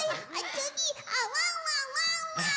つぎワンワンワンワン！